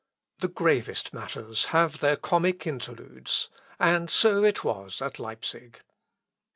The gravest matters have their comic interludes; and so it was at Leipsic.